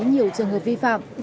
nhiều trường hợp vi phạm